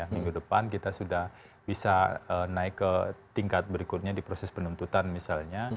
minggu depan kita sudah bisa naik ke tingkat berikutnya di proses penuntutan misalnya